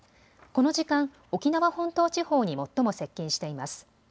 この時間、沖縄本島地方に最も接近しています。